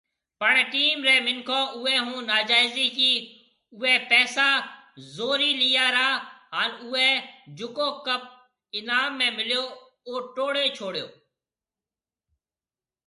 پڻ ٽيم ري منکون اوئي ھونناجائيزي ڪي اوئي پئسا زوري ليا را هان اوئي جڪو ڪپ انعام ۾ مليو او ٽوڙي ڇوڙيو